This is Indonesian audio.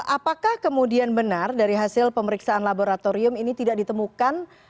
apakah kemudian benar dari hasil pemeriksaan laboratorium ini tidak ditemukan